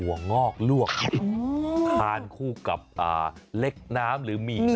วงอกลวกทานคู่กับเล็กน้ำหรือหมี่